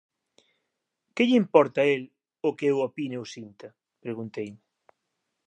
Que lle importa a el o que eu opine ou sinta?», pregunteime.